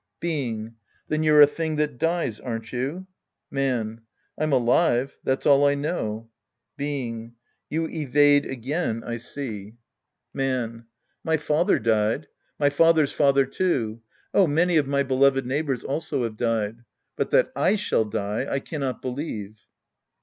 Being. Then you're a thing that dies, aren't you ? Man. I'm alive. That's all I know. Being. You evade again, I see. 2 The Priest and His Disciples Ind. Man. My father died. My father's father, too. Oh, many of my beloved neighbors also have died. But that I shall die, I cannot believe.